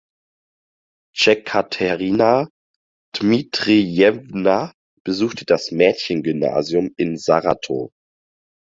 Jekaterina Dmitrijewna besuchte das Mädchengymnasium in Saratow.